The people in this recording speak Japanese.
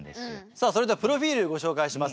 さあそれではプロフィールご紹介します。